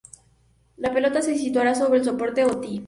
La pelota se situará sobre el soporte o tee.